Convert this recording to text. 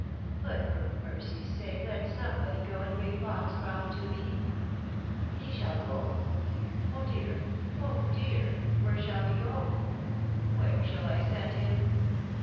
But for mercy's sake let somebody go and bring Foxcroft to me — ^he shall go Oh ! dear 1 Oh ! dear ! Where shall he go ? Where shall I send him